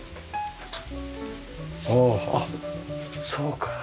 あああっそうか。